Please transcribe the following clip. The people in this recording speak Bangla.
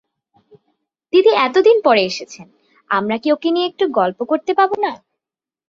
দিদি এতদিন পরে এসেছেন, আমরা কি ওঁকে নিয়ে একটু গল্প করতে পাব না?